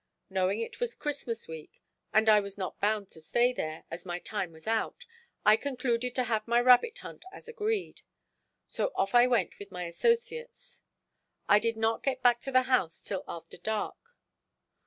Knowing it was Christmas week, and I was not bound to stay there, as my time was out, I concluded to have my rabbit hunt as agreed; so off I went with my associates. I did not get back to the house till after dark.